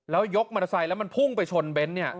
แล้วยกมอเตอร์ไซค์แล้วมันพุ่งไปชนเบนท์เนี่ย